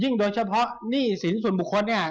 โดยเฉพาะหนี้สินส่วนบุคคลเนี่ย